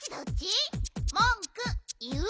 もんくいう？